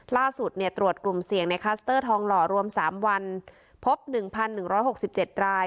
ล่าสุดเนี่ยตรวจกลุ่มเสี่ยงในคลัสเตอร์ทองหล่อรวมสามวันพบหนึ่งพันหนึ่งร้อยหกสิบเจ็ดราย